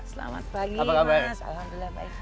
selamat pagi mas alhamdulillah baik